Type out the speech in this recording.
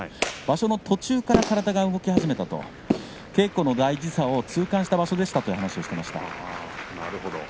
場所の途中から体が動き始めたと稽古も大事さを痛感した場所でしたという話をしていました。